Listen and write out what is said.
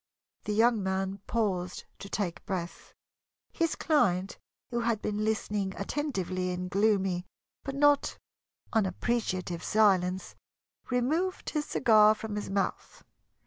The young man paused to take breath. His client, who had been listening attentively in gloomy but not unappreciative silence, removed his cigar from his mouth.